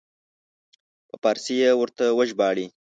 په فارسي یې ورته وژباړي.